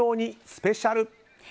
スペシャル。